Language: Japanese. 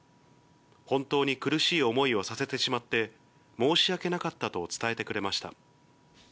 本当に苦しい思いをさせてしまって申し訳なかったと伝えてくれま